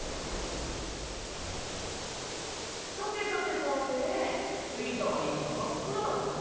さてさてさて着いたはいいが真っ暗だぞ。